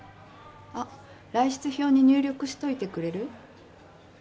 あっ、来室票に入力しておいてくれる？